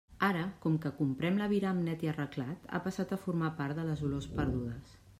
Ara, com que comprem l'aviram net i arreglat, ha passat a formar part de les olors perdudes.